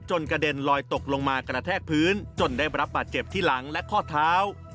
กระเด็นลอยตกลงมากระแทกพื้นจนได้รับบาดเจ็บที่หลังและข้อเท้า